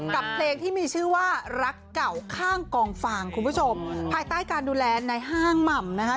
กับเพลงที่มีชื่อว่ารักเก่าข้างกองฟางคุณผู้ชมภายใต้การดูแลในห้างหม่ำนะคะ